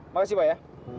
makasih pak ya